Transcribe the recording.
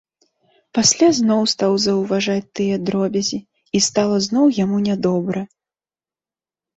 Пасля зноў стаў заўважаць тыя дробязі, і стала зноў яму нядобра.